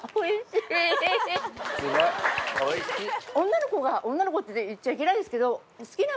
女の子が女の子って言っちゃいけないですけど。